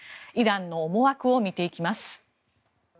イランの思惑を見ていきます。